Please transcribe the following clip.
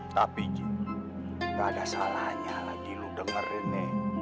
tapi ji gak ada salahnya lagi lu dengerin nih